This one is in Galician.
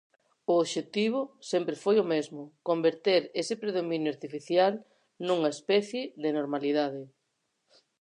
O obxectivo sempre foi o mesmo: converter ese predominio artificial nunha especie de normalidade.